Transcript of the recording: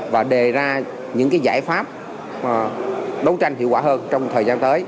và đề ra những giải pháp đấu tranh hiệu quả hơn trong thời gian tới